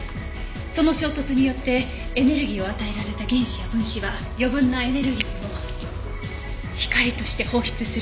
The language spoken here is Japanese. その衝突によってエネルギーを与えられた原子や分子は余分なエネルギーを光として放出する。